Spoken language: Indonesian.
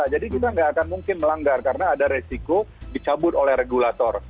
jadi kita tidak akan mungkin melanggar karena ada resiko dicabut oleh regulator